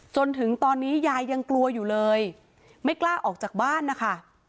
จนถึงตอนนี้ยายยังกลัวอยู่เลยไม่กล้าออกจากบ้านนะคะ